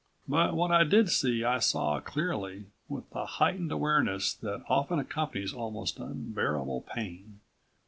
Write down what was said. But what I did see I saw clearly, with the heightened awareness that often accompanies almost unbearable pain.